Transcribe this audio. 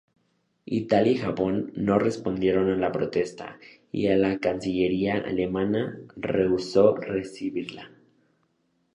Italia y Japón no respondieron a la protesta y la cancillería alemana rehusó recibirla.